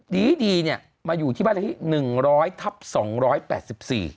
ดีดีเนี้ยมาอยู่ที่บ้านละที่หนึ่งร้อยทับสองร้อยแปดสิบสี่